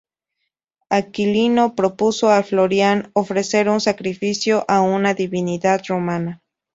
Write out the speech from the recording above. Aquilino propuso a Florián ofrecer un sacrificio a una divinidad romana.